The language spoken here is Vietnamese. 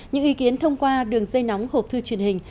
những ý kiến thông qua đường dây nóng hộp thư truyền hình